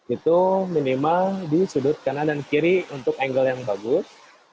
itu minimal di sudut kanan dan kiri untuk angle yang bagus